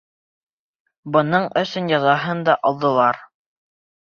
Бының өсөн язаһын да алдылар.